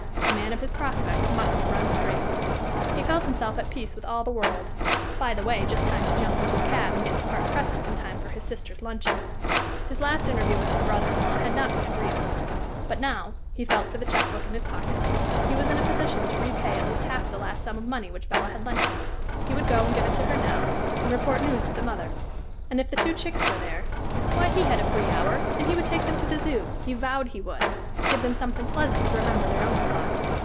A man of his prospects must run straight. He felt himself at peace with all the world. By the way, just time to jump into a cab and get to Park Crescent in time for his sister's luncheon. His last interview with his brother in law had not been agreeable. But now he felt for the check book in his pocket he was in a position to repay at least half the last sum of money which Bella had lent him. He would go and give it her now, and report news of the mother. And if the two chicks were there why, he had a free hour and he would take them to the Zoo he vowed he would! give them something pleasant to remember their uncle by.